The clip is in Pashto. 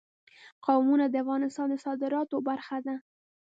قومونه د افغانستان د صادراتو برخه ده.